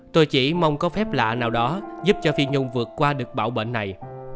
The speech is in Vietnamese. tôi chỉ mong có phép lạ nào đó giúp cho phi nhung vượt qua được bảo bệnh này